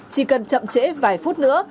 chỉ cần chậm trễ vài phút nữa